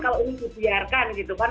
kalau ini dibiarkan gitu kan